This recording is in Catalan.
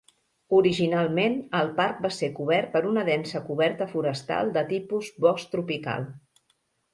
Originalment, el parc va ser cobert per una densa coberta forestal de tipus Bosc tropical.